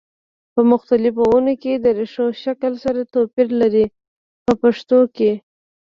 په مختلفو ونو کې د ریښو شکل سره توپیر لري په پښتو کې.